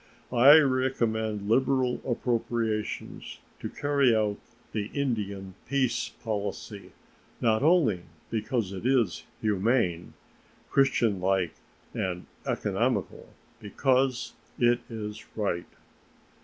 I recommend liberal appropriations to carry out the Indian peace policy, not only because it is humane, Christian like, and economical, but because it is right.